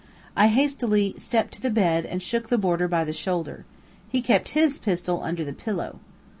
I hastily stepped to the bed and shook the boarder by the shoulder. He kept HIS pistol under his pillow.